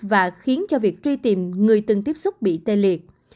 và khiến cho việc truy tìm người từng tiếp xúc bị tê liệt